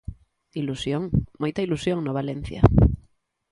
Ilusión, moita ilusión no Valencia.